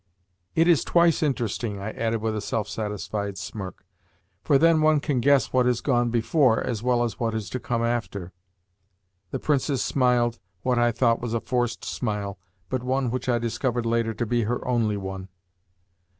"It is twice as interesting," I added with a self satisfied smirk; "for then one can guess what has gone before as well as what is to come after." The Princess smiled what I thought was a forced smile, but one which I discovered later to be her only one.